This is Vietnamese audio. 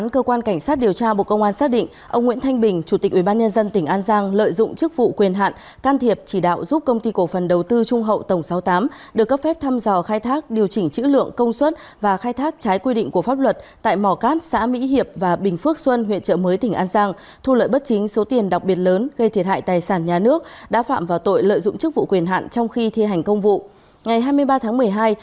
cơ quan cảnh sát điều tra bộ công an đang điều tra vụ án vi phạm quy định về nghiên cứu thăm dò khai thác tài nguyên đưa hối lộ nhận hối lộ lợi dụng chức vụ quyền hạn trong khi thi hành công vụ xảy ra tại công ty cổ phần đầu tư trung hậu tổng sáu mươi tám sở tài nguyên và môi trường tỉnh an giang và các đơn vị liên quan